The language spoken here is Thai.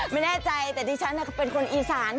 ไม่แน่ใจแต่ดิฉันเป็นคนอีสาน